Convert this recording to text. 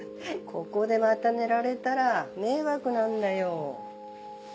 ここでまた寝られたら迷惑なんだよ。